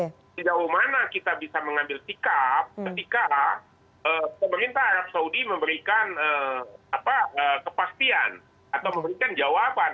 sejauh mana kita bisa mengambil sikap ketika pemerintah arab saudi memberikan kepastian atau memberikan jawaban